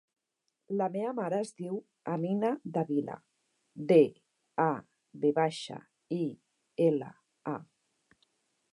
La meva mare es diu Amina Davila: de, a, ve baixa, i, ela, a.